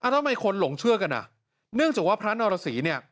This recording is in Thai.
ทำไมคนหลงเชื่อกันเนื่องจากว่าพระนรษี